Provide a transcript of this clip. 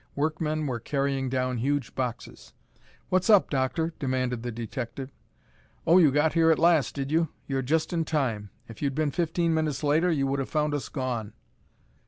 Workmen were carrying down huge boxes. "What's up, Doctor?" demanded the detective. "Oh, you got here at last, did you? You're just in time. If you'd been fifteen minutes later, you would have found us gone."